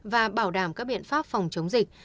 và bảo đảm các biện pháp phòng chống dịch